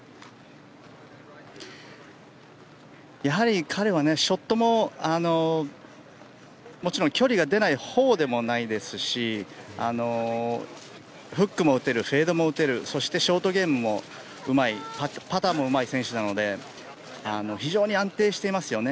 やはり彼は、ショットももちろん距離が出ないほうでもないですしフックも打てるフェードも打てるそしてショートゲームもうまいパターもうまい選手なので非常に安定していますよね。